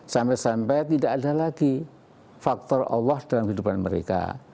sampai sampai tidak ada lagi faktor allah dalam kehidupan mereka